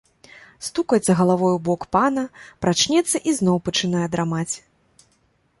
Стукаецца галавой у бок пана, прачнецца і зноў пачынае драмаць.